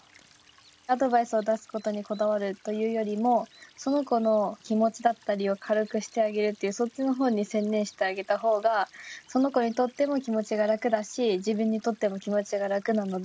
アドバイスを出すことにこだわるというよりもその子の気持ちだったりを軽くしてあげるっていうそっちの方に専念してあげた方がその子にとっても気持ちが楽だし自分にとっても気持ちが楽なので。